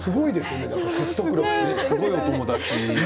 すごいお友達。